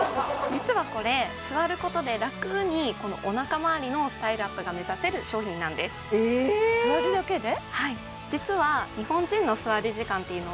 実はこれ座ることで楽にこのおなか回りのスタイルアップが目指せる商品なんです座るだけで？